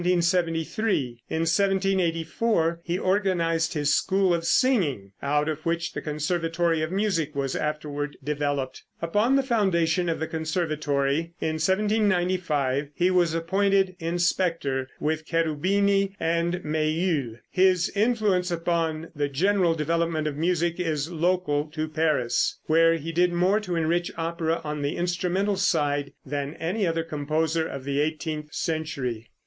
In 1784 he organized his school of singing, out of which the Conservatory of Music was afterward developed. Upon the foundation of the conservatory, in 1795, he was appointed inspector with Cherubini and Méhul. His influence upon the general development of music is local to Paris, where he did more to enrich opera on the instrumental side than any other composer of the eighteenth century.